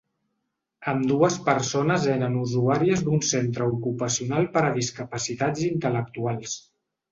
Ambdues persones eren usuàries d’un centre ocupacional per a discapacitats intel·lectuals.